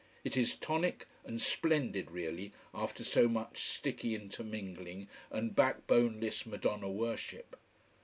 It is tonic and splendid, really, after so much sticky intermingling and backboneless Madonna worship.